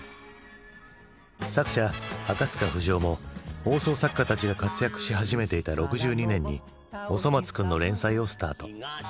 作者赤塚不二夫も放送作家たちが活躍し始めていた６２年に「おそ松くん」の連載をスタート。